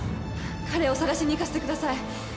彼を捜しに行かせてください。